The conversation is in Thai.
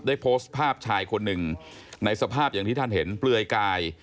โพสต์ภาพชายคนหนึ่งในสภาพอย่างที่ท่านเห็นเปลือยกาย